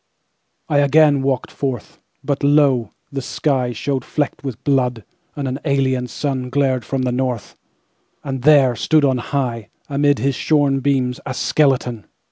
I again walked forth; But lo! the skyShowed flecked with blood, and an alien sunGlared from the north, And there stood on high, Amid his shorn beams, a skeleton!